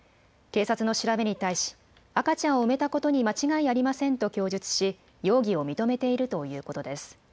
警察の調べに対し赤ちゃんを埋めたことに間違いありませんと供述し容疑を認めているということです。